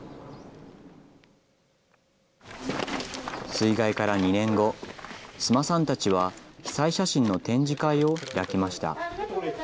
水害から２年後、須磨さんたちは、被災写真の展示会を開きました。